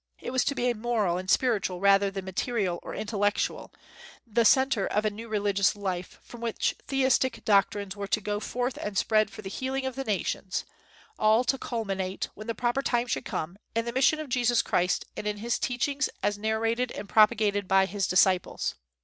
It was to be moral and spiritual rather than material or intellectual, the centre of a new religious life, from which theistic doctrines were to go forth and spread for the healing of the nations, all to culminate, when the proper time should come, in the mission of Jesus Christ, and in his teachings as narrated and propagated by his disciples.